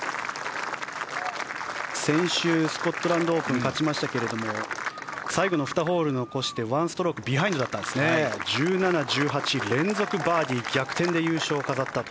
先週、スコットランドオープンで勝ちましたけども最後の２ホール残して１ストロークビハインドでしたが１７、１８と連続バーディーで逆転で優勝を飾ったと。